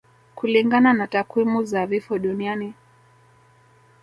Kulingana na takwimu za vifo duniani